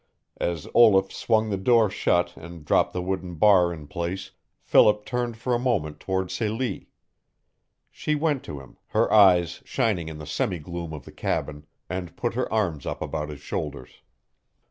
As Olaf swung the door shut and dropped the wooden bar in place Philip turned for a moment toward Celie. She went to him, her eyes shining in the semi gloom of the cabin, and put her arms up about his shoulders.